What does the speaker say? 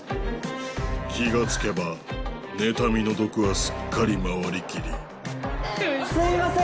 気がつけばねたみの毒はすっかり回りきりすいません